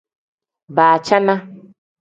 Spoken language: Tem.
Baacana.